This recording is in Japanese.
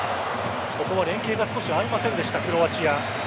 ここは連携が少し合いませんでしたクロアチア。